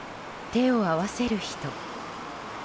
手を合わせる人。